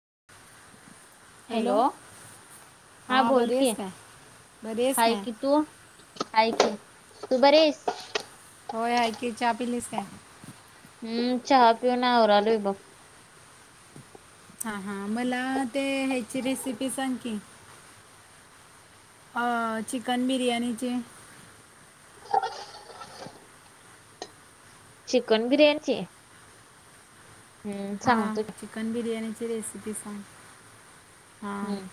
[inaudible] Hello हा हां बोल बरी के आहेस काय बरी आहेस हाय काय कि तो आहेाय कि तू बरस होय ऐ की चहा पिलीस काय हम्म चहा पिऊन आवरालो बघ हा हा मला ते ह्याची रेसिपी सांग की अ चिकन बिरयाणीचे चिकन बिर्याणीची हम्म हा सांगतो की चिकन बिर्याणीची रेसिपी सांग हां हम्म.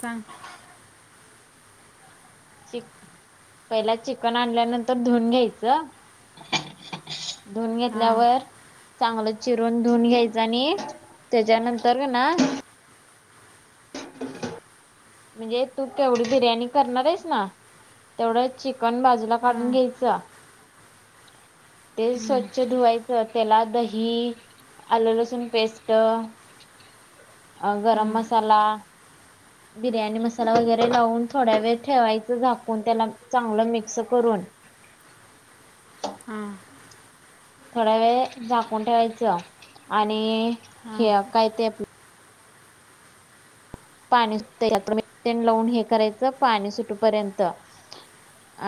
सांग श [unintelligible] पहिला चिकन आणल्यानंतर धुऊून घ्यायचं धुन हां घेतल्यावर चांगलं चिरून धुऊून घ्यायच आणि त्याच्यानंतर ना म्हणजे तू केवढी बिर्याणी करणार आहेस ना तेवढं चिकन बाजूला काढून हां घ्यायचं [unintelligible] ते हं, स्वच्छ धुवायचं त्याला दही आल लसूण पेस्ट ह [unintelligible] अ गरम मसाला बिर्याणी मसाला वगैरे लावून थोड्या वेळ ठेवायचं झाकून त्याला चांगलं मिक्स करून हम्म. थोड्या वेळ झाकून ठेवायचं आणि हां हे काय ते आपल पाणी म [unintelligible] लावून हे करायचं पाणी सुटपर्यंतऽ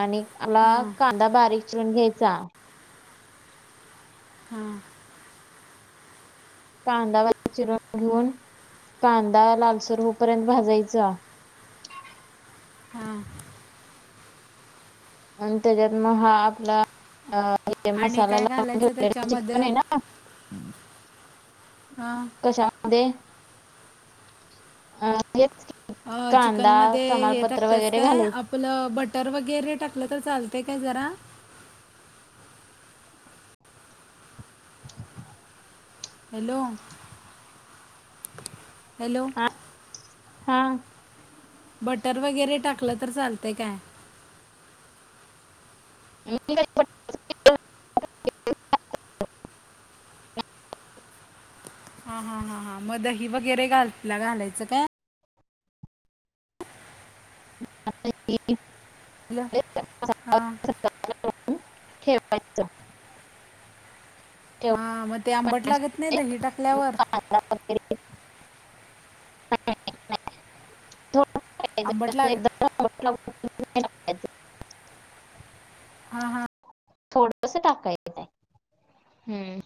आणि यला हां कांदा बारीक चिरून घ्यायचा हम. कांदावर चिरून घेऊन कांदा लालसर होूपर्यंत भाजायचा हमम. त्याच्यात मग हा आपला अ आणि काय मसालाला घालायचं म्हणजे व त्याच्यामध्ये चिकन आहे नाऽ [unintelligible] हां कशामध्ये अ हेच अ चिकन कांदा मध्ये हे तमालपत्र टाकतेस वगैरे काय, घालायच आपलं बटर वगैरे टाकलं तर चालत ते काय जरा [inaudible] हॅलो हॅलो हा. बटर वगैरे टाकलं तर चालतय काय मी काय बटरऽ [unintelligible] [inaudible] हा, हा हा, हा मग दही वगैरे घालला, घालायचं काय आता तेऽ [unintelligible] ल हा ठेवायचं ठेवून हा मग ते आंबट थोडस लागत नाही दही टाकल्यावर [inaudible] आंबट लाग [inaudible] हा, हा, थोडंस टाकाय नाही, हम्म.